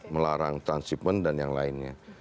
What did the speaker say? melarang transhipment dan yang lainnya